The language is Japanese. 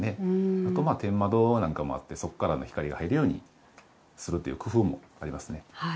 あと天窓なんかもあってそこから光が入るようにするという工夫もありますね。